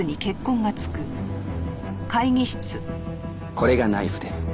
これがナイフです。